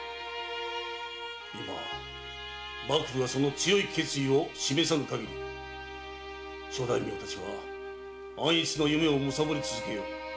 今幕府がその強い決意を示さぬかぎり諸大名たちは安逸の夢をむさぼり続けよう。